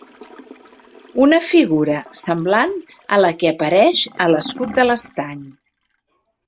Una figura semblant a la que apareix a l'escut de l'Estany.